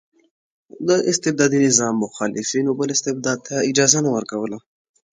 د استبدادي نظام مخالفینو بل استبداد ته اجازه نه ورکوله.